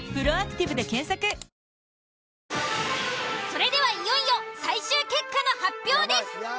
それではいよいよ最終結果の発表です。